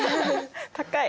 高い！